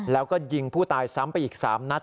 แล้วก็ยิงผู้ตายซ้ำไปอีก๓นัด